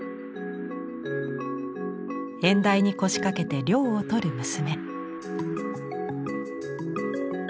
縁台に腰かけて涼をとる娘。